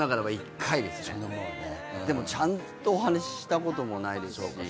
でもちゃんとお話ししたこともないですし。